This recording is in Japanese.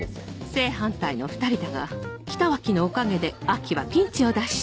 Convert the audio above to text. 正反対の２人だが北脇のおかげで亜季はピンチを脱出